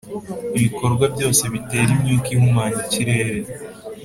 Ibikorwa byose bitera imyuka ihumanya ikirere